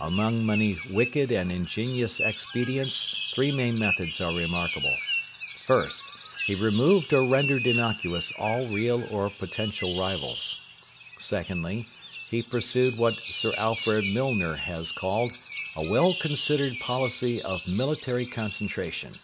Among many wicked and ingenious expedients three main methods are remarkable. First, he removed or rendered innocuous all real or potential rivals. Secondly, he pursued what Sir Alfred Milner has called 'a well considered policy of military concentration.'